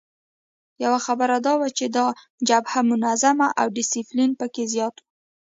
یوه خبره دا وه چې دا جبهه منظمه او ډسپلین پکې زیات وو.